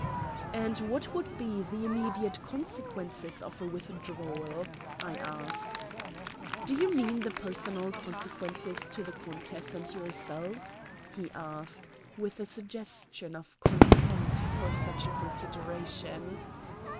"And what would be the immediate consequences of a withdrawal?" I asked. "Do you mean the personal consequences to the countess and yourself?" he asked, with a suggestion of contempt for such a consideration.